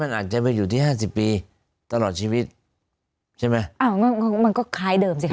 อ้าวมันก็คล้ายเดิมสิครับ